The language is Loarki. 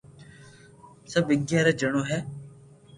سب اگياري جڻو ھي